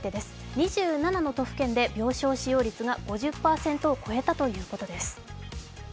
２７の都府県で病床使用率が５０％を超えたということです。